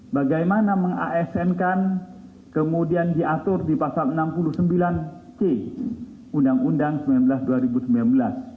bagaimana mengasn kan kemudian diatur di pasal enam puluh sembilan c undang undang sembilan belas dua ribu sembilan belas